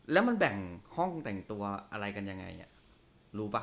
แล้วมันแบ่งห้องแต่งตัวอะไรกันยังไงรู้ป่ะ